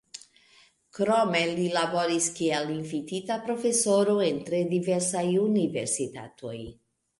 Krome li laboris kiel invitita profesoro en tre diversaj universitatoj.